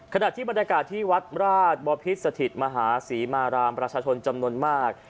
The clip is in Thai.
ขณะที่บรรยากาศที่วัดราชบพิษสถิตมหาศรีมารามประชาชนจำนวนมาก